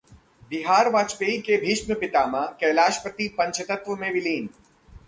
Bihar BJP के 'भीष्म पितामह' कैलाशपति पंचतत्व में विलीन